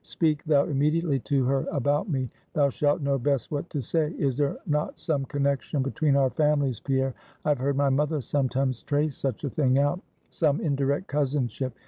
Speak thou immediately to her about me; thou shalt know best what to say. Is there not some connection between our families, Pierre? I have heard my mother sometimes trace such a thing out, some indirect cousinship.